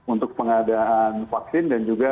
untuk pengadaan vaksin dan juga